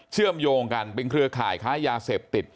เชื่อมโยงกันเป็นเครือข่ายค้ายาเสพติด